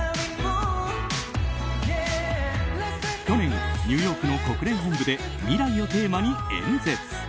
去年、ニューヨークの国連本部で未来をテーマに演説。